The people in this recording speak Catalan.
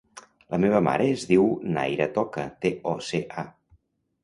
La meva mare es diu Nayra Toca: te, o, ce, a.